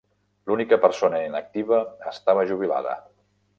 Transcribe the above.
L'única persona inactiva estava jubilada.